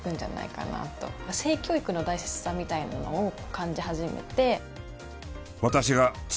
性教育の大切さみたいなのを感じ始めて。